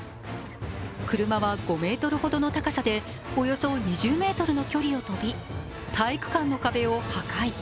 車は５ｍほどの高さでおよそ２０ｍの距離を飛び、体育館の壁を破壊。